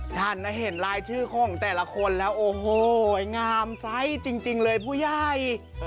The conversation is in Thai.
ฉันเห็นรายชื่อของแต่ละคนแล้วโอ้โหงามไซส์จริงเลยผู้ใหญ่